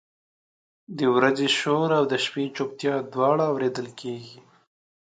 د ورځې شور او د شپې چپتیا دواړه اورېدل کېږي.